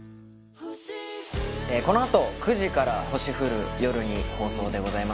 このあと９時から『星降る夜に』放送でございます。